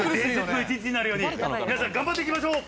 皆さん頑張っていきましょう！